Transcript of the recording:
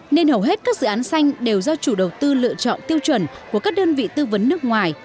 nên hầu hết các dự án xanh đều do chủ đầu tư lựa chọn tiêu chuẩn của các đơn vị tư vấn nước ngoài